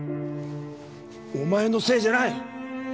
お前のせいじゃない！